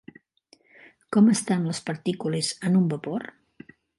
Com estan les partícules en un vapor?